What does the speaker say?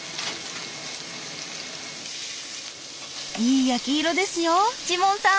いい焼き色ですよジモンさん。